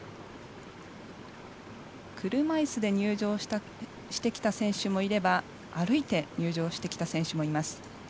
車いすで入場してきた選手もいれば歩いて入場してきた選手もいます。